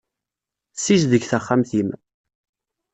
Ssizdeg taxxamt-im.